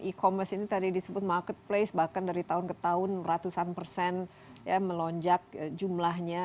e commerce ini tadi disebut marketplace bahkan dari tahun ke tahun ratusan persen melonjak jumlahnya